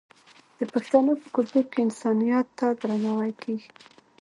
د پښتنو په کلتور کې انسانیت ته درناوی کیږي.